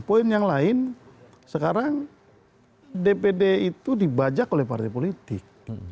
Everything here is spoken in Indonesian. poin yang lain sekarang dpd itu dibajak oleh partai politik